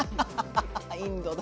インドの。